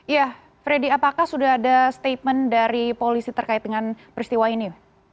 ya freddy apakah sudah ada statement dari polisi terkait dengan peristiwa ini